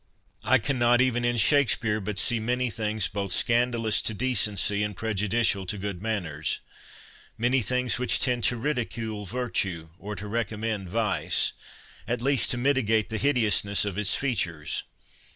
—I cannot, even in Shakspeare, but see many things both scandalous to decency and prejudicial to good manners—many things which tend to ridicule virtue, or to recommend vice,—at least to mitigate the hideousness of its features.